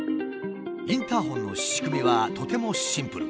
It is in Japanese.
インターホンの仕組みはとてもシンプル。